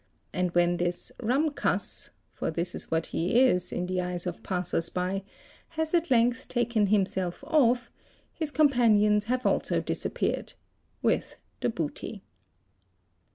And when this 'rum cuss"', for this is what he is in the eyes of passers by, has at length taken himself off, his companions have also disappeared—with the booty.